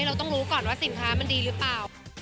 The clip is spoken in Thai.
เราต้องรู้ก่อนว่าสินค้ามันดีหรือเปล่า